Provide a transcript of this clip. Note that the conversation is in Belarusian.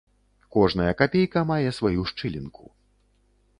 Кожная капейка мае сваю шчылінку.